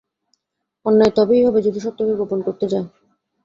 অন্যায় তবেই হবে, যদি সত্যকে গোপন করতে যায়।